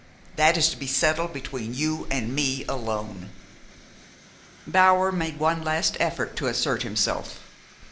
That is to be settled between you and me alone." Bower made one last effort to assert himself.